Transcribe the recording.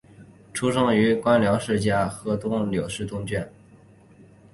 出生于官僚世家河东柳氏东眷。